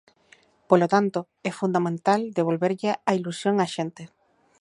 Polo tanto, é fundamental devolverlle a ilusión á xente.